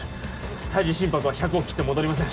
胎児心拍は１００を切って戻りません